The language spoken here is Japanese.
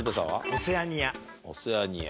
オセアニア。